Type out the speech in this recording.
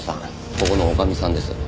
ここの女将さんです。